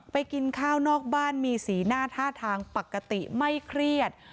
กินข้าวนอกบ้านมีสีหน้าท่าทางปกติไม่เครียด